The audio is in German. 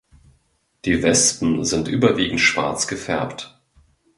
Die Wespen sind überwiegend schwarz gefärbt.